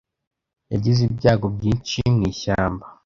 Yagize ibyago byinshi mwishyamba.